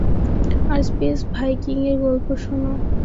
আর space ভাইকিংয়ের গল্প শোনো।